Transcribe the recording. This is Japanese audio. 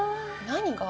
何が？